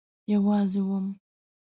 یوازی وم